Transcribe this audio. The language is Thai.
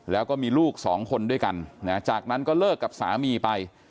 แล้วก็มีลูกสองคนด้วยกันจากนั้นก็เลิกกับสามีไป